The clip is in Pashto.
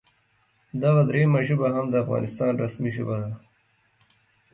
دغه دریمه ژبه هم د افغانستان رسمي ژبه ده